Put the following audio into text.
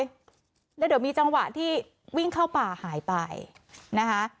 แล้วเดี๋ยวมีจังหวะที่วิ่งเข้าป่าหายไปนะคะ